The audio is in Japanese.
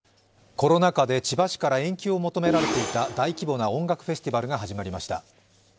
コロナ禍で千葉市から延期を求められていた大規模な音楽フェスティバルが始まりました。